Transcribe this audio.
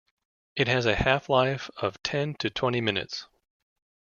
It has a half life of ten to twenty minutes.